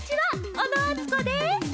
小野あつこです。